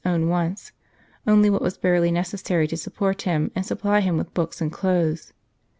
wn wants, only what was barely necessary to support him and supply him with books and clothes.